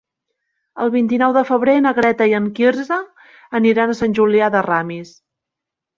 El vint-i-nou de febrer na Greta i en Quirze aniran a Sant Julià de Ramis.